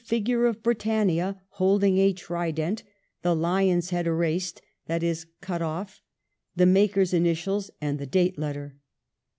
figure of Britannia holding a trident, the lion's head erased — that is, cut off — the maker's initials, and the date letter.'